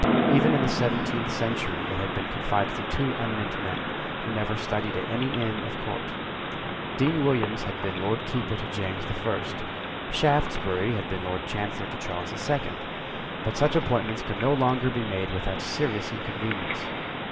Even in the seventeenth century it had been confided to two eminent men, who had never studied at any Inn of Court. Dean Williams had been Lord Keeper to James the First. Shaftesbury had been Lord Chancellor to Charles the Second. But such appointments could no longer be made without serious inconvenience.